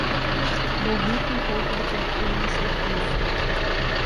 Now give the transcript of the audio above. Borrife um pouco do perfume em seu pulso